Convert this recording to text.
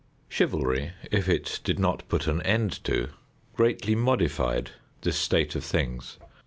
Chivalry, if it did not put an end to, greatly modified this state of things.